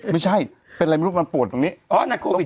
ไม่ใช่เป็นอะไรไม่รู้มันปวดตรงนี้